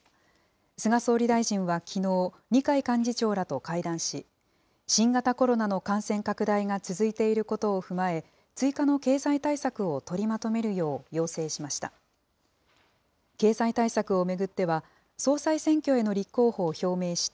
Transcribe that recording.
菅総理大臣はきのう、二階幹事長らと会談し、新型コロナの感染拡大が続いていることを踏まえ、追加の経済対策を取りまとめるよう要請しました。